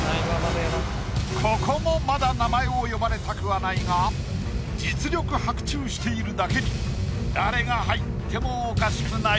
ここもまだ名前を呼ばれたくはないが実力伯仲しているだけに誰が入ってもおかしくない。